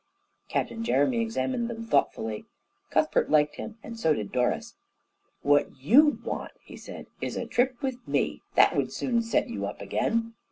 Captain Jeremy examined them thoughtfully. Cuthbert liked him, and so did Doris. "What you want," he said, "is a trip with me. That would soon set you up again."